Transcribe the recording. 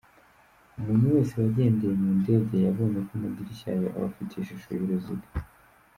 Umuntu wese wagendeye mu ndege yabonye ko amadirishya yayo aba afite ishusho y’uruziga.